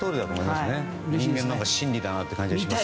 人間の真理だなという感じがしますね。